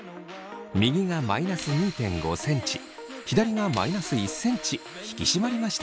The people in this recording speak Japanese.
右がマイナス２．５ｃｍ左がマイナス１ｃｍ引き締まりました。